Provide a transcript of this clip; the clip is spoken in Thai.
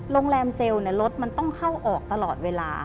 โรงแรมเซลล์รถมันต้องเข้าออกตลอดเวลา